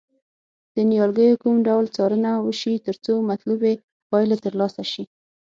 د نیالګیو کوم ډول څارنه وشي ترڅو مطلوبې پایلې ترلاسه شي.